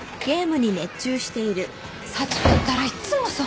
幸子ったらいつもそう。